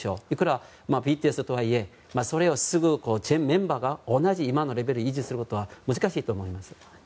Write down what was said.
いくらＢＴＳとはいえそれをすぐ全メンバーが同じ今のレベルを維持することは難しいと思います。